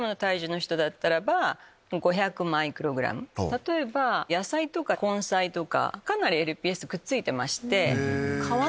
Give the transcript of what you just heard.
例えば野菜とか根菜とかかなりＬＰＳくっついてまして。